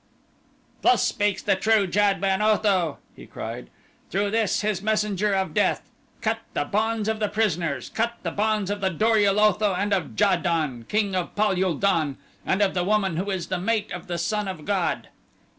"Thus speaks the true Jad ben Otho," he cried, "through this his Messenger of Death. Cut the bonds of the prisoners. Cut the bonds of the Dor ul Otho and of Ja don, King of Pal ul don, and of the woman who is the mate of the son of god."